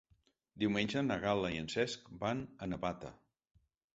Diumenge na Gal·la i en Cesc van a Navata.